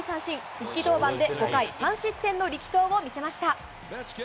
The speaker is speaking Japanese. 復帰登板で５回３失点の力投を見せました。